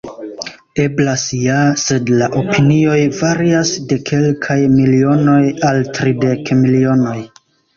Eblas ja, sed la opinioj varias de kelkaj milionoj al tridek milionoj!